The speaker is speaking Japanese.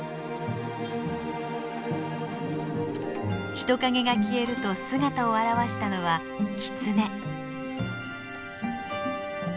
人影が消えると姿を現したのはキツネ。